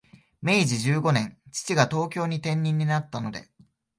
明治十五年、父が東京に転任になったので、